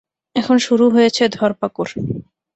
এখন শুরু হয়েছে ধরপাকড়।